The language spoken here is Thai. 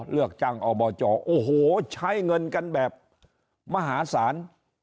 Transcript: เลือกตั้งอบจโอ้โหใช้เงินกันแบบมหาศาล